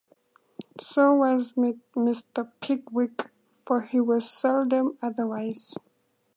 So was Mr. Pickwick, for he was seldom otherwise.